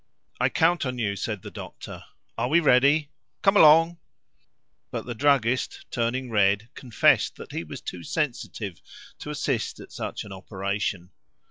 "I count on you," said the doctor. "Are we ready? Come along!" But the druggist, turning red, confessed that he was too sensitive to assist at such an operation.